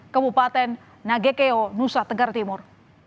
kabupaten nagekeo nusa tenggara timur